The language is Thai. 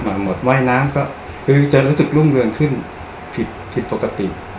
หมดว่ายน้ำก็คือจะรู้สึกรุ่งเรืองขึ้นผิดผิดปกติ